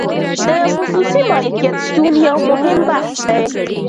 د خصوصي مالکیت شتون یو مهم بحث دی.